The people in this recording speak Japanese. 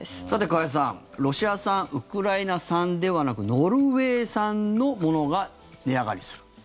さて、加谷さんロシア産、ウクライナ産ではなくノルウェー産のものが値上がりする。